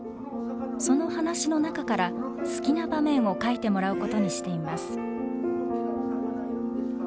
その話の中から好きな場面を描いてもらうことにしています。